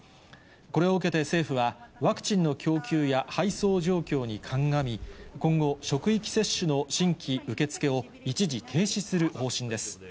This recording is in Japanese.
これを受けて政府は、ワクチンの供給や配送状況に鑑み、今後、職域接種の新規受け付けを一時停止する方針です。